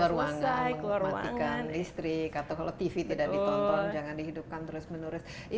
kalau keluar ruangan matikan listrik atau kalau tv tidak ditonton jangan dihidupkan terus menurut